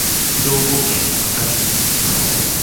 兵庫県明石市